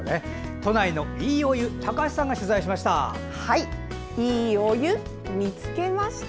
都内のいいお湯高橋さんが取材しました。